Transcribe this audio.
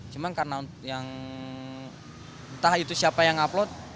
cuma karena yang entah itu siapa yang upload